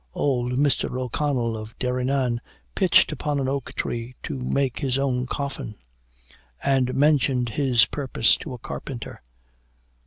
Old Mr. O'Connell of Derrynane, pitched upon an oak tree to make his own coffin, and mentioned his purpose to a carpenter.